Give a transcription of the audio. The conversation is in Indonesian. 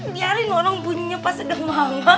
biarin orang bunyinya pas udah mahal